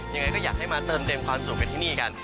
ยังไงก็อยากให้มาเติมเต็มความสุขกันที่นี่กัน